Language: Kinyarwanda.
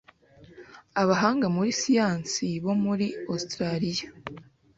Abahanga muri siyansi bo muri Australia